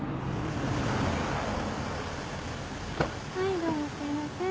はいどうもすいません。